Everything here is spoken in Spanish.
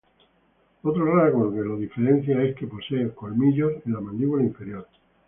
Otro rasgo que lo diferencia es que posee colmillos en la mandíbula inferior.